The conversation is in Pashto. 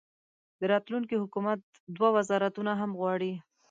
د راتلونکي حکومت دوه وزارتونه هم غواړي.